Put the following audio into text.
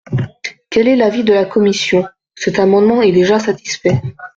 Quel est l’avis de la commission ? Cet amendement est déjà satisfait.